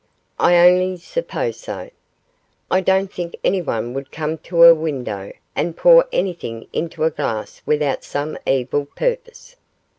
I only suppose so. I don't think anyone would come to a window and pour anything into a glass without some evil purpose.